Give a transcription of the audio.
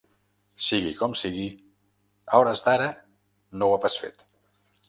Sigui com sigui, a hores d’ara no ho ha pas fet.